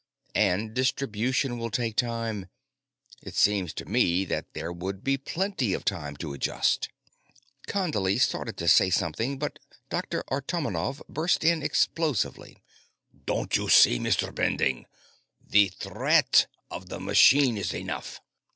And distribution will take time. It seems to me that there would be plenty of time to adjust." Condley started to say something, but Dr. Artomonov burst in explosively. "Don't you see, Mr. Bending? The threat of the machine is enough!